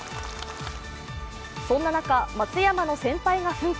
そんな中、松山の先輩が奮起。